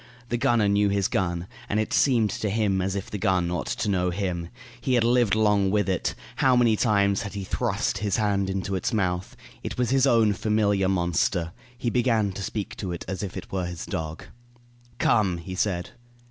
The gunner knew his gun, and it seemed to him as if the gun ought to know him. He had lived long with it. How many times he had thrust his hand into its mouth! It was his own familiar monster. He began to speak to it as if it were his dog. "Come!" he said.